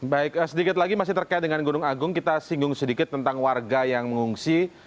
baik sedikit lagi masih terkait dengan gunung agung kita singgung sedikit tentang warga yang mengungsi